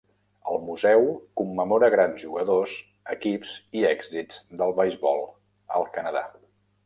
El museu commemora grans jugadors, equips i èxits del beisbol al Canadà.